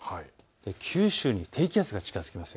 九州に低気圧が近づいています。